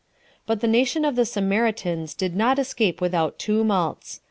1. But the nation of the Samaritans did not escape without tumults.